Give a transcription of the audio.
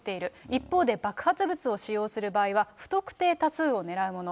一方で爆発物を使用する場合は、不特定多数を狙うもの。